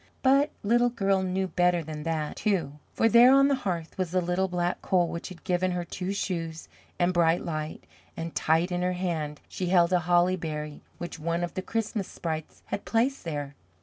But Little Girl knew better than that, too, for there on the hearth was the little Black Coal, which had given her Two Shoes and Bright Light, and tight in her hand she held a holly berry which one of the Christmas Sprites had placed there.